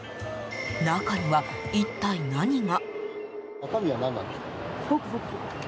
中には、一体何が？